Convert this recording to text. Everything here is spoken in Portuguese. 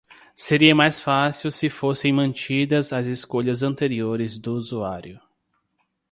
Seria mais fácil se fossem mantidas as escolhas anteriores do usuário.